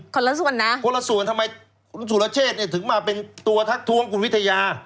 คนละส่วนนะคนละส่วนทำไมคุณสุรเชษเนี่ยถึงมาเป็นตัวทักท้วงคุณวิทยา